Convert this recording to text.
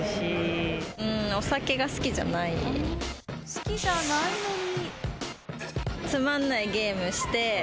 好きじゃないのに。